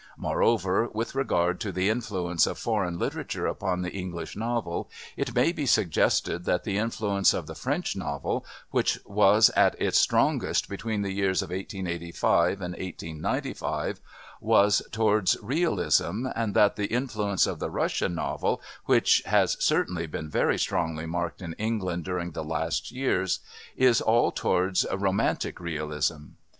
Moreover, with regard to the influence of foreign literature upon the English novel, it may be suggested that the influence of the French novel, which was at its strongest between the years of 1885 and 1895, was towards Realism, and that the influence of the Russian novel, which has certainly been very strongly marked in England during the last years, is all towards Romantic Realism.